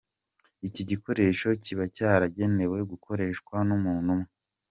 Iki gikoresho kiba cyaragenewe gukoreshwa n’umuntu umwe.